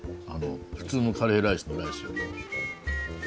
普通のカレーライスのライスよりも。